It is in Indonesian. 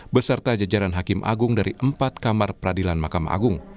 beserta jajaran hakim agung dari empat kamar peradilan makam agung